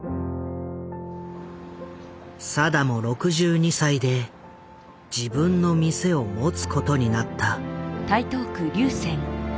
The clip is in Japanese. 定も６２歳で自分の店を持つことになった。